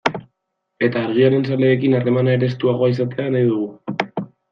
Eta Argiaren zaleekin harremana ere estuagoa izatea nahi dugu.